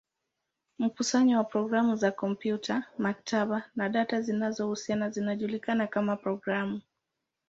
Mkusanyo wa programu za kompyuta, maktaba, na data zinazohusiana zinajulikana kama programu.